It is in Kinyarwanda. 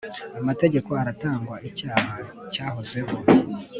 amategeko ataratangwa icyaha cyahozeho